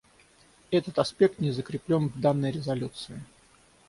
Этот аспект не закреплен в данной резолюции.